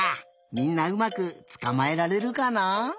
みんなうまくつかまえられるかな？